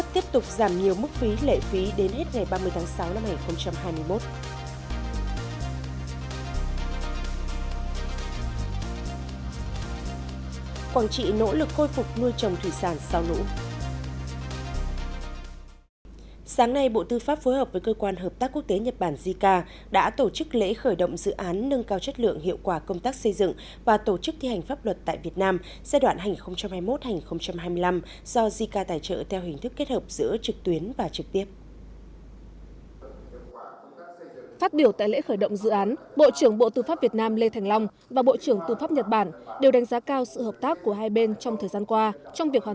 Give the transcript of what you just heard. tiếp theo chương trình đề xuất tiếp tục giảm nhiều mức phí lệ phí đến hết ngày ba mươi tháng sáu năm hai nghìn hai mươi một